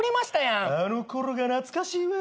あのころが懐かしいわ。